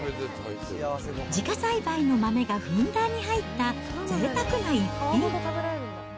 自家栽培の豆がふんだんに入ったぜいたくな一品。